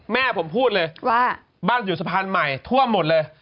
แม่ผมพูดเลยว่าบ้านอยู่สะพานใหม่ท่วมหมดเลย